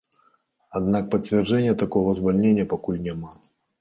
Аднак пацвярджэння такога звальнення пакуль няма.